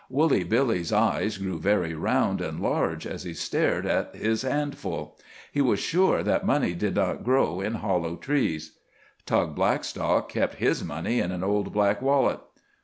Woolly Billy's eyes grew very round and large as he stared at his handful. He was sure that money did not grow in hollow trees. Tug Blackstock kept his money in an old black wallet.